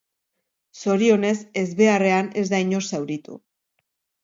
Zorionez, ezbeharrean ez da inor zauritu.